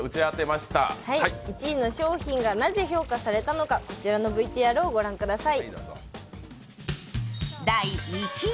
１位の商品がなぜ評価されたのかこちらのＶＴＲをご覧ください。